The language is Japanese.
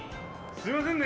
すみませんね。